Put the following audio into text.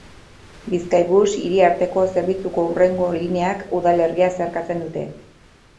Bizkaibus hiri-arteko zerbitzuko hurrengo lineak udalerria zeharkatzen dute.